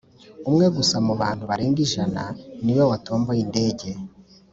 umwe gusa mubantu barenga ijana niwe watomboye indege